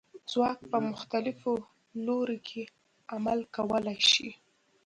ځواک په مختلفو لورو کې عمل کولی شي.